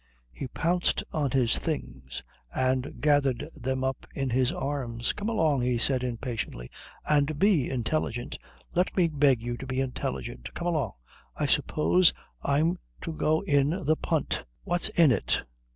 He pounced on his things and gathered them up in his arms. "Come along," he said impatiently, "and be intelligent. Let me beg you to be intelligent. Come along. I suppose I'm to go in the punt. What's in it?